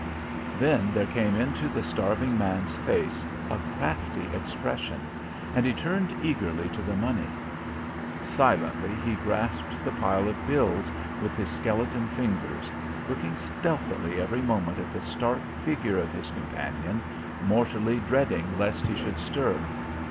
Then there came into the starving man's face a crafty expression, and he turned eagerly to the money. Silently he grasped the pile of bills with his skeleton fingers, looking stealthily every moment at the stark figure of his companion, mortally dreading lest he should stir.